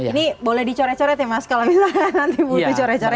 ini boleh dicoret coret ya mas kalau misalnya nanti core coret